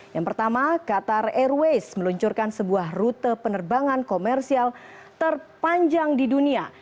yang pertama qatar airways meluncurkan sebuah rute penerbangan komersial terpanjang di dunia